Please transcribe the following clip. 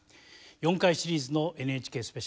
４回シリーズの「ＮＨＫスペシャル」